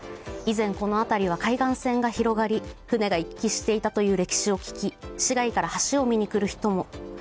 以前、この辺りは海岸線が広がり船が行き来していたという歴史を聞き市内から橋を見に来る人も。